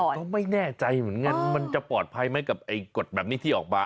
ก็ไม่แน่ใจเหมือนกันมันจะปลอดภัยไหมกับกฎแบบนี้ที่ออกมา